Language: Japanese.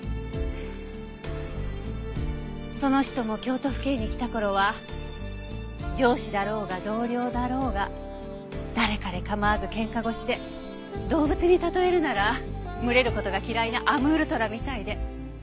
その人も京都府警に来た頃は上司だろうが同僚だろうが誰彼構わず喧嘩腰で動物に例えるなら群れる事が嫌いなアムールトラみたいで。